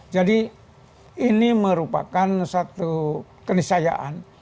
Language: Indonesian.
jadi ini merupakan satu kenisayaan